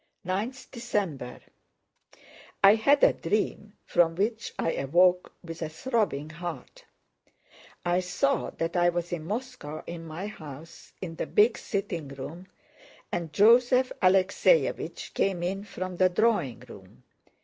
9th December I had a dream from which I awoke with a throbbing heart. I saw that I was in Moscow in my house, in the big sitting room, and Joseph Alexéevich came in from the drawing room.